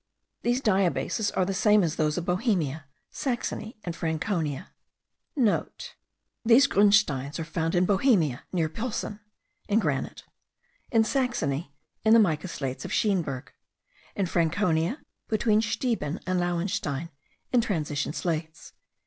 These diabases are the same as those of Bohemia, Saxony, and Franconia;* (* These grunsteins are found in Bohemia, near Pilsen, in granite; in Saxony, in the mica slates of Scheenberg; in Franconia, between Steeben and Lauenstein, in transition slates.)